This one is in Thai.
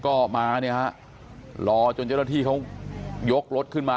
ก็มาเนี่ยฮะรอจนเจ้าหน้าที่เขายกรถขึ้นมา